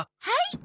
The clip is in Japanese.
はい。